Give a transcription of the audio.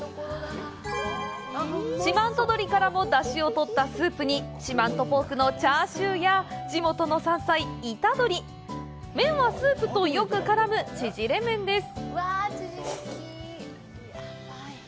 四万十鶏からも出汁を取ったスープに四万十ポークのチャーシューや地元の山菜、イタドリ麺はスープとよくからむ縮れ麺です。